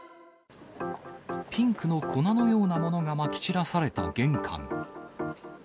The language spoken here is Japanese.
ピンクの粉のようなものがまき散らされた玄関。